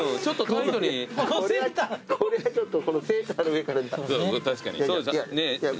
これはちょっとセーターの上からじゃね。